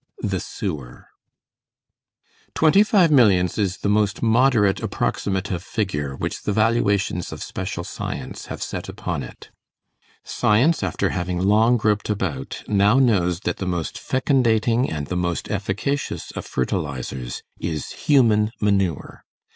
The sewer. Twenty five millions is the most moderate approximative figure which the valuations of special science have set upon it. Science, after having long groped about, now knows that the most fecundating and the most efficacious of fertilizers is human manure.